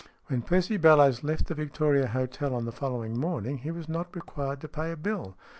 When Percy Bellowes left the Victoria Hotel on the following morning he was not required to pay a bill.